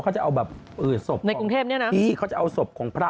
คุณไปทุกปีแล้วเนี่ยจำนะ